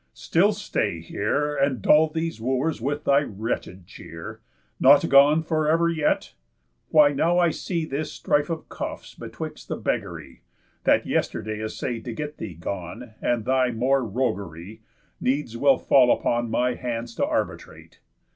Still stay here, And dull these Wooers with thy wretched cheer? Not gone for ever yet? Why now I see This strife of cuffs betwixt the beggary, That yesterday assay'd to get thee gone, And thy more roguery, needs will fall upon My hands to arbitrate.